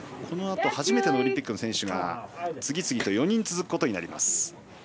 このあと初めてのオリンピックの選手が次々と４人続きます。